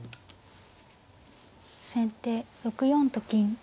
先手６四と金。